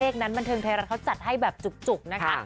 เทคนไทยรัฐเขาจัดให้แบบจุกนะคะ